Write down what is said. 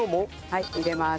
はい入れます。